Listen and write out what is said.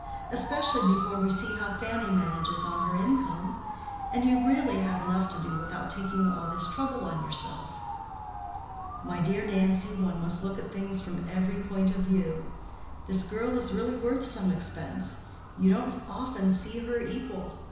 Especially before we see how Fanny manages on her income. And you really have enough to do without taking all this trouble on yourself." "My dear Nancy, one must look at things from every point of view. This girl is really worth some expense: you don't often see her equal.